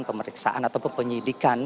pemeriksaan atau penyelidikan